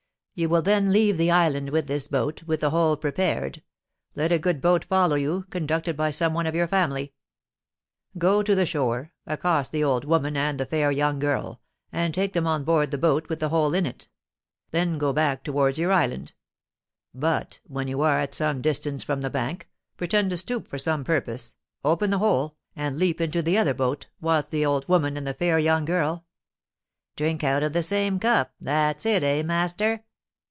'You will then leave the island with this boat, with the hole prepared; let a good boat follow you, conducted by some one of your family. Go to the shore, accost the old woman and the fair young girl, and take them on board the boat with the hole in it; then go back towards your island; but, when you are at some distance from the bank, pretend to stoop for some purpose, open the hole, and leap into the other boat, whilst the old woman and the fair young girl ' 'Drink out of the same cup, that's it, eh, master?'